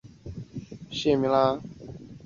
淡水高尔夫球场会派人定期祭拜。